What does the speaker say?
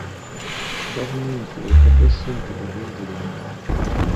Gavumenti etadde ssente mu byobulimi.